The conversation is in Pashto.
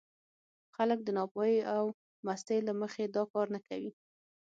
خلک د ناپوهۍ او مستۍ له مخې دا کار نه کوي.